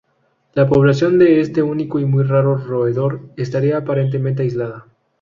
La población de este único y muy raro roedor estaría aparentemente aislada.